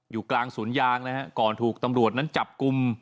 อยู่กลางสวนยางนะฮะก่อนถูกตำรวจนั้นจับกลุ่ม